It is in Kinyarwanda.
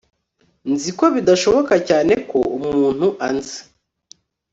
nzi ko bidashoboka cyane ko umuntu anzi